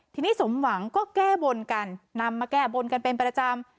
ทีนี้สมหวังก็แก้บนกันนำมาแก้บนกันเป็นประจำ